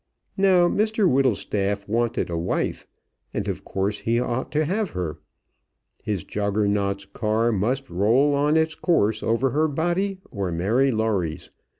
Now Mr Whittlestaff wanted a wife, and, of course, he ought to have her. His Juggernaut's car must roll on its course over her body or Mary Lawrie's.